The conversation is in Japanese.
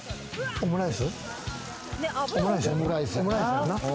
オムライスやな。